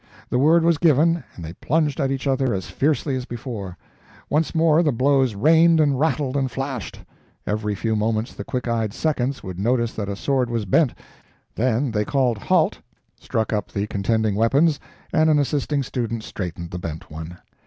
The word was given, and they plunged at each other as fiercely as before; once more the blows rained and rattled and flashed; every few moments the quick eyed seconds would notice that a sword was bent then they called "Halt!" struck up the contending weapons, and an assisting student straightened the bent one.